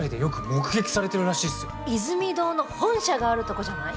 イズミ堂の本社があるとこじゃない？